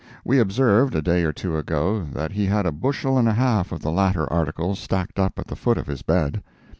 (We observed, a day or two ago, that he had a bushel and a half of the latter article stacked up at the foot of his bed.)